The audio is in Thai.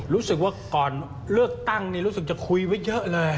รู้สึกว่าก่อนเลือกตั้งนี่รู้สึกจะคุยไว้เยอะเลย